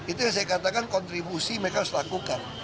itu yang saya katakan kontribusi mereka harus lakukan